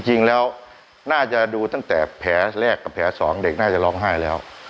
จริงแล้วน่าจะดูตั้งแต่แผลแรกกับแผลสองเด็กน่าจะร้องไห้แล้ว